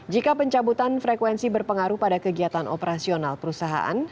jika pencabutan frekuensi berpengaruh pada kegiatan operasional perusahaan